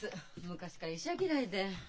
昔から医者嫌いで。